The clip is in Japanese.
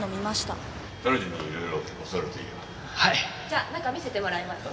じゃあ中見せてもらいます。